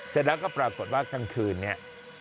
เสร็จแล้วก็ปรากฏว่ากลางคืนเนี่ย